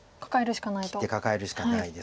カカえるしかないと。